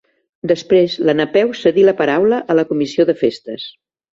Després, la Napeu cedí la paraula a la comissió de festes.